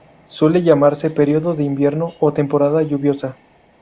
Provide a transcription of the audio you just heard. Suele llamarse periodo de invierno o temporada lluviosa.